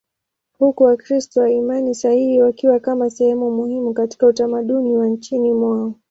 huku Wakristo wa imani sahihi wakiwa kama sehemu muhimu katika utamaduni wa nchini mwao.